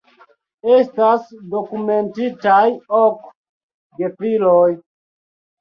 Estas dokumentitaj ok gefiloj.